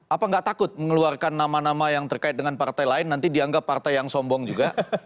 apa nggak takut mengeluarkan nama nama yang terkait dengan partai lain nanti dianggap partai yang sombong juga